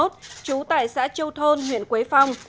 trú tại xã châu thôn huyện quế phong